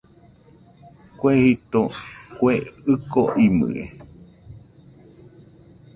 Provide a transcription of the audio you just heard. Kue jito, kue ɨko imɨe